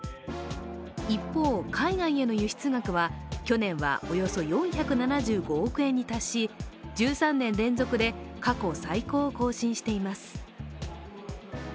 一方、海外への輸出額は去年はおよそ４７５億円に達し１３年連続で過去最高を更新しています。